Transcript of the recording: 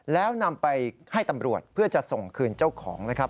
แล้วนำไปให้ตำรวจเพื่อจะส่งคืนเจ้าของนะครับ